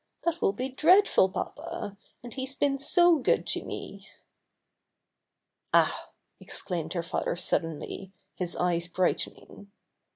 That will be dreadful, papa, and he's been so good to me." ''Ah!" exclaimed her father suddenly, his eyes brightening.